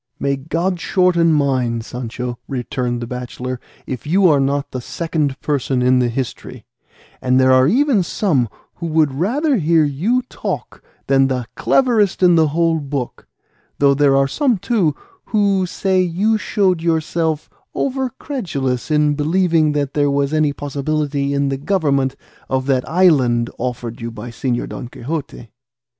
"May God shorten mine, Sancho," returned the bachelor, "if you are not the second person in the history, and there are even some who would rather hear you talk than the cleverest in the whole book; though there are some, too, who say you showed yourself over credulous in believing there was any possibility in the government of that island offered you by Señor Don Quixote."